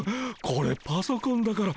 これパソコンだから。